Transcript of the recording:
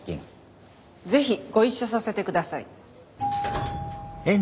是非ご一緒させて下さい。